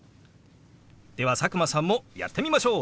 では佐久間さんもやってみましょう！